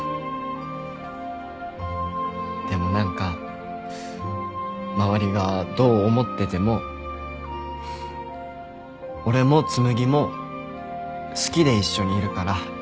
でも何か周りがどう思ってても俺も紬も好きで一緒にいるから。